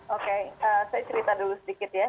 oke saya cerita dulu sedikit ya